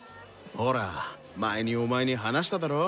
ほら前にお前に話しただろ？